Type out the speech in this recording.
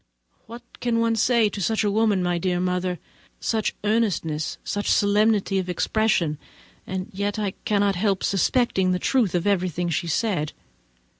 What can one say of such a woman, my dear mother? Such earnestness, such solemnity of expression! and yet I cannot help suspecting the truth of everything she says.